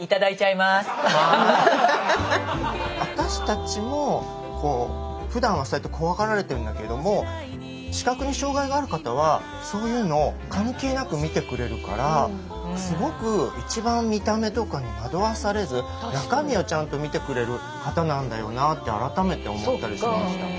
私たちもふだんはそうやって怖がられてるんだけれども視覚に障害がある方はそういうの関係なく見てくれるからすごく一番見た目とかに惑わされず中身をちゃんと見てくれる方なんだよなって改めて思ったりしましたね。